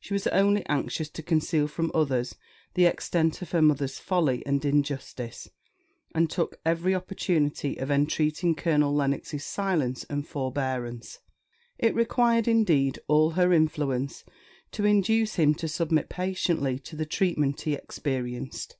She was only anxious to conceal from others the extent of her mother's folly and injustice, and took every opportunity of entreating Colonel Lennox's silence and forbearance. It required, indeed, all her influence to induce him to submit patiently to the treatment he experienced.